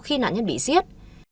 khi nạn nhân bị giết